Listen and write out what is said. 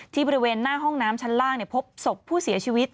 บริเวณหน้าห้องน้ำชั้นล่างพบศพผู้เสียชีวิต